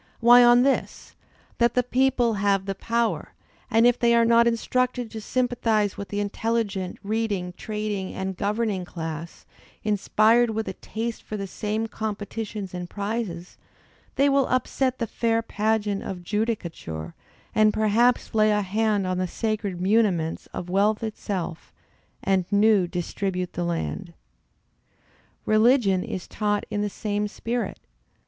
Why on this, that the people have the power, and if they are not instructed to sympathize with the intelligent, reading, trading, and governing class, inspired with a taste for the same competitions and prizes, they will upset the fair pageant of Judicature, and perhaps lay a hand on the sacred muniments of wealth itself, and new distribute the land. Religion is taught in the same spirit.